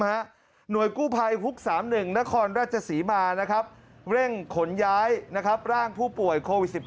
หน่วยกู้ภัยฮุก๓๑นครราชศรีมาเร่งขนย้ายร่างผู้ป่วยโควิด๑๙